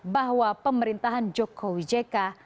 bahwa pemerintahan jokowi jk